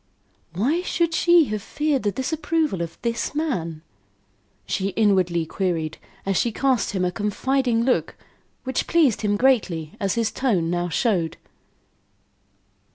"Why should she have feared the disapproval of this man?" she inwardly queried, as she cast him a confiding look which pleased him greatly, as his tone now showed.